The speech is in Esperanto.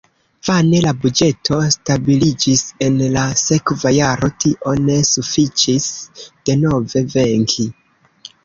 Vane la buĝeto stabiliĝis, en la sekva jaro tio ne sufiĉis denove venki.